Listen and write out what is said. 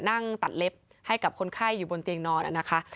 นั่งตัดเล็บให้กับคนไข้อยู่บนเตียงนอนนะคะ